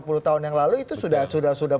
sepuluh tahun yang lalu itu sudah